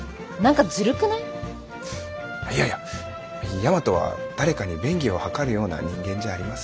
いやいや大和は誰かに便宜を図るような人間じゃありません。